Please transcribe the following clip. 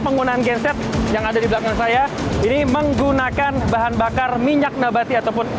penggunaan genset yang ada di belakang saya ini menggunakan bahan bakar minyak nabati ataupun